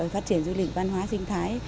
phát triển du lịch văn hóa sinh thái